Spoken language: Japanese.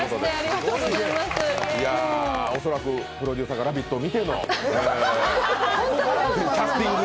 恐らくプロデューサーが「ラヴィット！」を見てのキャスティング。